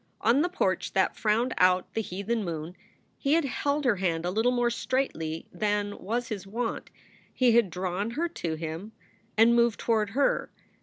On the porch that frowned out the heathen moon he had held her hand a little more straitly than was his wont. He had drawn her to him and moved toward her.